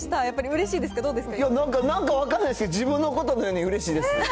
やっぱりうれしいですか、どうでいや、なんか分かんないですけど、自分のことのようにうれしいです。